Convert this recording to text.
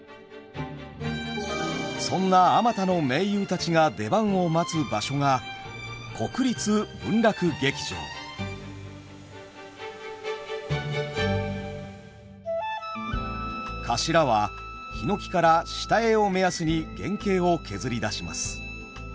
そんな数多の「名優」たちが出番を待つ場所がかしらは檜から下絵を目安に原型を削り出します。